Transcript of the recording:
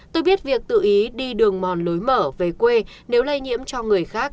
tôi biết việc tự ý đi đường mòn lối mở về quê nếu lây nhiễm cho người khác